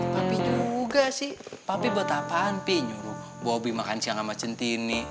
papi juga sih papi buat apaan pi nyuruh bobby makan siang sama centini